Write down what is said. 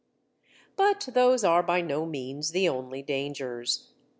But those are by no means the only dangers.